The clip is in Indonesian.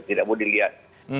tidak mau dilihat